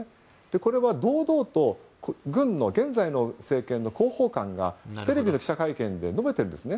これは堂々と軍の現在の政権の広報官が、テレビの記者会見で述べてるんですね。